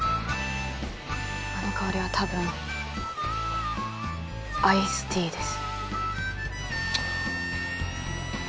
あの香りはたぶんアイスティーです